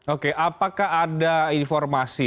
oke apakah ada informasi